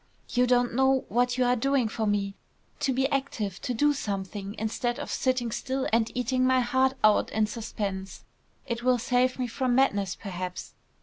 "You don't know what you are doing for me! To be active, to do something, instead of sitting still and eating my heart out in suspense. It will save me from madness perhaps.